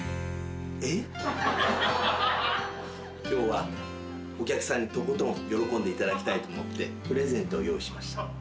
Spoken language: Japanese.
今日はお客さんにとことん喜んでいただきたいと思ってプレゼントを用意しました。